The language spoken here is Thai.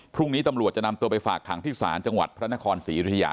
พรุ่งนี้ตำรวจจะนำตัวไปฝากขังที่ศาลจังหวัดพระนครศรีอยุธยา